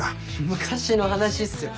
昔の話っすよ。